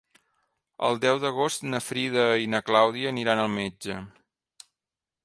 El deu d'agost na Frida i na Clàudia aniran al metge.